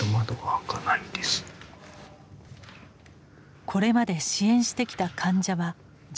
これまで支援してきた患者は１０人。